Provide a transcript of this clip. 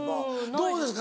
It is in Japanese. どうですか？